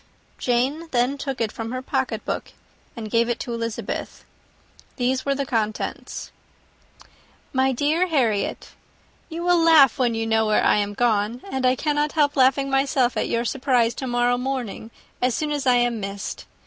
Jane then took it from her pocket book, and gave it to Elizabeth. These were the contents: /* NIND "My dear Harriet, */ "You will laugh when you know where I am gone, and I cannot help laughing myself at your surprise to morrow morning, as soon as I am missed.